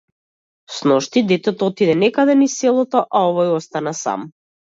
Сношти детето отиде некаде низ селото, а овој остана сам.